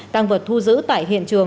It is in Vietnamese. tăng vật thu giữ tại hiện trường